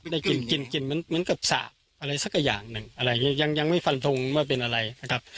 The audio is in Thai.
ได้กลิ่นเหมือนกับสาบอะไรสักอย่างหนึ่งยังไม่ฟันทงว่าเป็นอะไรนะครับ